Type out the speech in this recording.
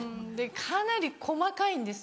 かなり細かいんです。